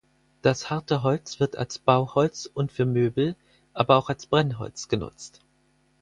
Das harte Holz wird als Bauholz und für Möbel, aber auch als Brennholz genutzt.